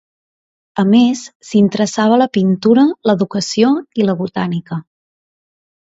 A més, s'interessava a la pintura, l'educació i la botànica.